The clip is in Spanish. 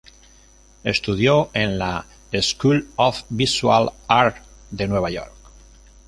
Estudió en la School of Visual Arts de Nueva York.